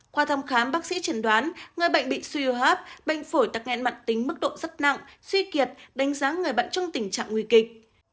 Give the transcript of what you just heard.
qua thăm khám bác sĩ triển đoán người bệnh bị suy hô hấp bệnh phổi tắc nghẽn mặn tính mức độ rất nặng suy kiệt đánh giá người bệnh trong tình trạng nguy kịch